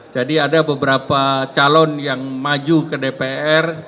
jadi ada beberapa calon yang maju ke dpr